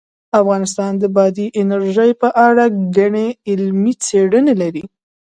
افغانستان د بادي انرژي په اړه ګڼې علمي څېړنې لري.